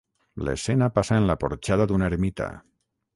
L'escena passa en la porxada d'una ermita.